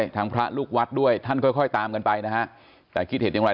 ดูครับครับที่นี่ดูครับ